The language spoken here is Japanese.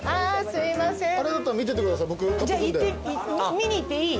見に行っていい？